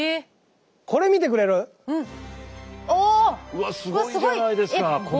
うわすごいじゃないですか細かい。